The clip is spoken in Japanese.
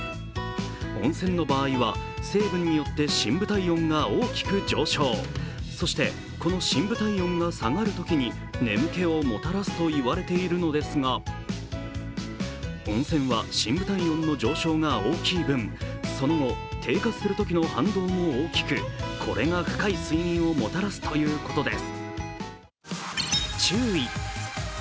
温泉の場合は成分によって深部体温が大きく上昇、そしてこの深部体温が下がるときに眠気をもたらすといわれているのですが、温泉は深部体温の上昇が大きい分、その後、低下するときの反動も大きくこれが深い睡眠をもたらすということです。